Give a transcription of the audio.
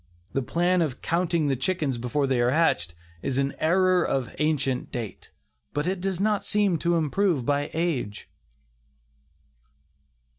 The plan of "counting the chickens before they are hatched" is an error of ancient date, but it does not seem to improve by age.